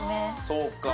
そうか。